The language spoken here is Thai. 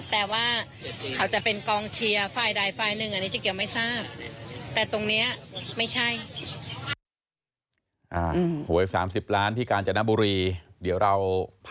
แต่ว่าเขาจะเป็นกองเชียร์ฝ่ายใดฝ่ายหนึ่งอันนี้เจ๊เกียวไม่ทราบ